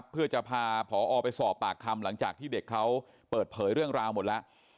เพื่อจะพาผอไปสอบปากคำหลังจากที่เด็กเขาเปิดเผยเรื่องราวหมดแล้ว